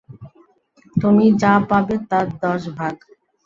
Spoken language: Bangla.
তুমি যা পাবে, তার দশ ভাগ।